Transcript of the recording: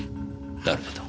なるほど。